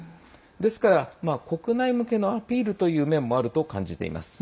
ですから、国内向けのアピールという面もあると感じています。